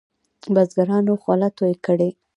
بزګرانو خوله توی کړې.